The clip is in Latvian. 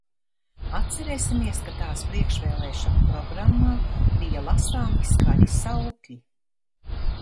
Atcerēsimies, ka tās priekšvēlēšanu programmā bija lasāmi skaļi saukļi.